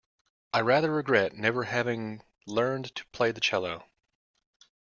I rather regret never having learned to play the cello.